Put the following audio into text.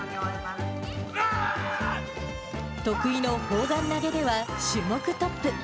得意の砲丸投では、種目トップ。